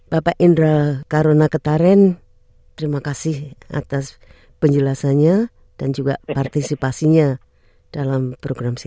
bapak indra karuna ketaren terima kasih atas penjelasannya dan juga partisipasinya dalam program saya